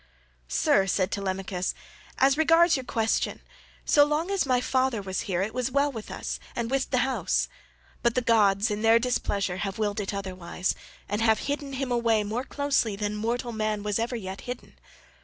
"Sir," said Telemachus, "as regards your question, so long as my father was here it was well with us and with the house, but the gods in their displeasure have willed it otherwise, and have hidden him away more closely than mortal man was ever yet hidden.